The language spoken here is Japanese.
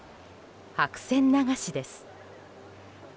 白線流しです。